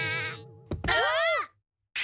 あっ！